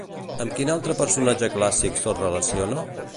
Amb quin altre personatge clàssic se'l relaciona?